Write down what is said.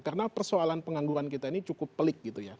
karena persoalan pengangguran kita ini cukup pelik gitu ya